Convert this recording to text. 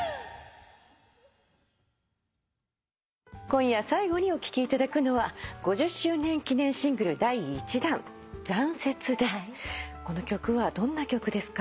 今夜最後にお聴きいただくのは５０周年記念シングル第１弾『残雪』です。